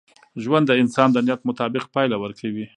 ژوند د انسان د نیت مطابق پایله ورکوي.